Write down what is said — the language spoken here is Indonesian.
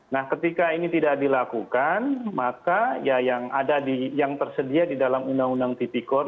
nah ketika ini tidak dilakukan maka yang tersedia di dalam undang undang titik kor